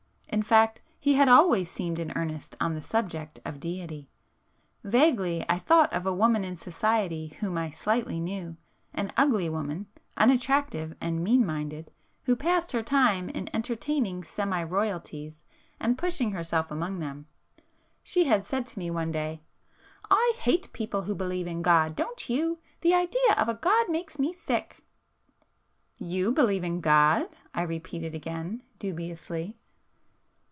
In fact he had always [p 440] seemed in earnest on the subject of Deity. Vaguely I thought of a woman in society whom I slightly knew,—an ugly woman, unattractive and mean minded, who passed her time in entertaining semi Royalties and pushing herself amongst them,—she had said to me one day—4 "I hate people who believe in God, don't you? The idea of a God makes me sick!" "You believe in God!" I repeated again dubiously.